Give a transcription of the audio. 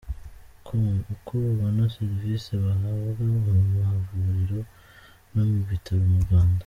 com uko babona serivisi bahabwa mu mavuriro no mu bitaro mu Rwanda.